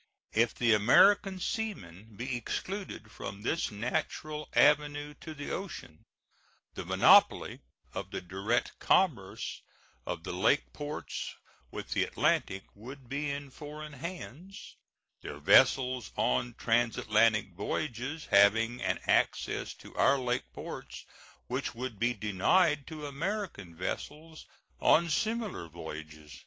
If the American seamen be excluded from this natural avenue to the ocean, the monopoly of the direct commerce of the lake ports with the Atlantic would be in foreign hands, their vessels on transatlantic voyages having an access to our lake ports which would be denied to American vessels on similar voyages.